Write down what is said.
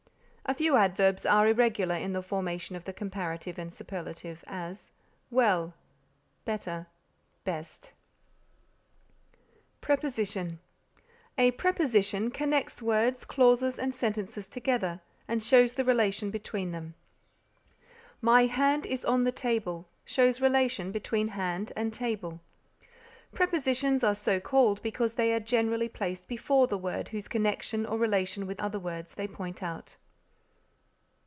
A few adverbs are irregular in the formation of the comparative and superlative; as, well, better, best. PREPOSITION A preposition connects words, clauses, and sentences together and shows the relation between them. "My hand is on the table" shows relation between hand and table. Prepositions are so called because they are generally placed before the words whose connection or relation with other words they point out.